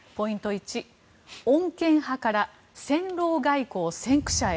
１穏健派から戦狼外交先駆者へ。